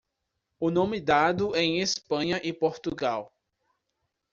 o nome dado em Espanha e Portugal